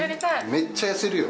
めっちゃ痩せるよ。